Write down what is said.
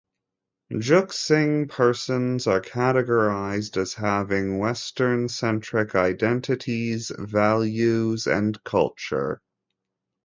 "Jook-sing" persons are categorized as having Western-centric identities, values and culture.